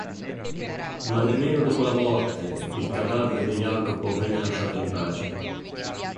Ma nemmeno dopo la morte il cadavere di Jacopo venne lasciato in pace.